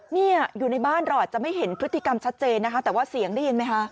เนี่ยอยู่ในบ้านเราอาจจะไม่เห็นพฤติกรรมชัดเจนนะคะแต่ว่าเสียงได้ยินไหมคะ